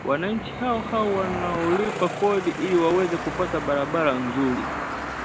Wananchi hao hao wanaolipa kodi ili waweze kupata barabara nzuri